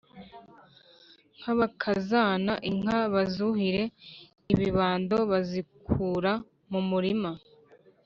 n'abakazana, inka bazuhira ibibando bazikura mu murima